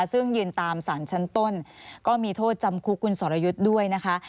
ซึ่งยืนตามสารชั้นต้นก็มีโทษจำคุกคุณสรยุทธ์ด้วยนะคะ